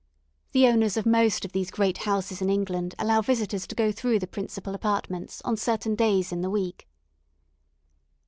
The owners of most of these great houses in England allow visitors to go through the principal apartments on certain days in the week.